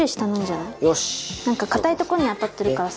なんか硬いとこに当たってるからさ。